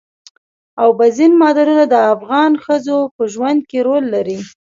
اوبزین معدنونه د افغان ښځو په ژوند کې رول لري.